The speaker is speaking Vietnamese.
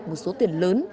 một số tiền lớn